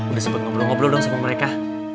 udah sempat ngobrol ngobrol dong sama mereka